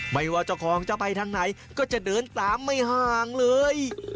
ไม่ว่าเจ้าของจะไปทางไหนก็จะเดินตามไม่ห่างเลย